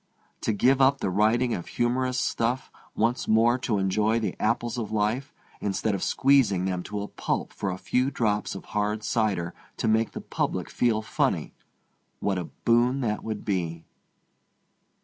To give up the writing of humorous stuff, once more to enjoy the apples of life, instead of squeezing them to a pulp for a few drops of hard cider to make the pubic feel funny—what a boon that would be!